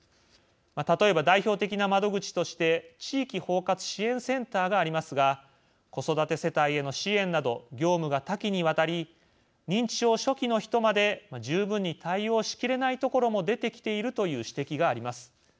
例えば代表的な窓口として地域包括支援センターがありますが子育て世帯への支援など業務が多岐にわたり認知症初期の人まで十分に対応しきれないところも出てきているという指摘があります。